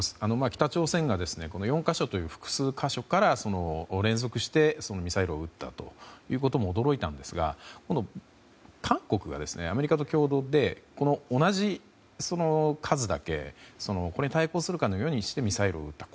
北朝鮮が４か所という複数箇所から連続してミサイルを撃ったということも驚いたんですが今度、韓国がアメリカと共同で同じ数だけこれに対抗するかのようにミサイルを撃った。